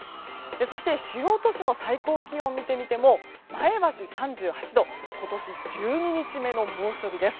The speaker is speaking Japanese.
そして主要都市の最高気温を見てみても前橋３８度今年１２日目の猛暑日です。